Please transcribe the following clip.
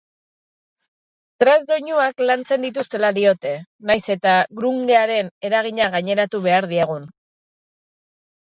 Thrash doinuak lantzen dituztela diote nahiz eta grunge-aren eragina gaineratu behar diegun.